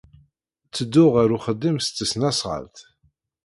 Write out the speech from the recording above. Ttedduɣ ɣer uxeddim s tesnasɣalt.